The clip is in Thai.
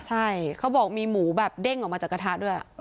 ใช่เขาบอกมีหมูแบบเด้งออกมาจากกระทะด้วย